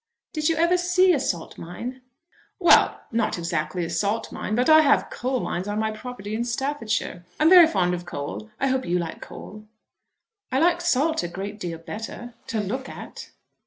"Did you ever see a salt mine?" "Well, not exactly a salt mine; but I have coal mines on my property in Staffordshire. I'm very fond of coal. I hope you like coal." "I like salt a great deal better to look at."